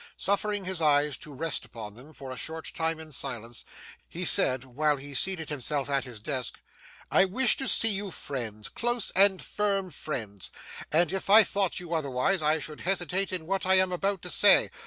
Suffering his eyes to rest upon them, for a short time in silence, he said, while he seated himself at his desk: 'I wish to see you friends close and firm friends and if I thought you otherwise, I should hesitate in what I am about to say.